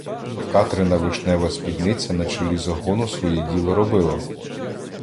Катрина вишнева спідниця на чолі загону своє діло робила.